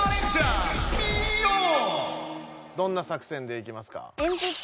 どんな作戦でいきますか？